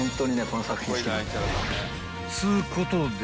［つうことで］